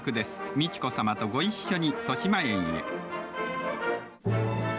美智子さまとご一緒にとしまえんへ。